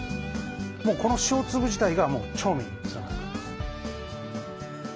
もうこの塩粒自体が調味につながるからです。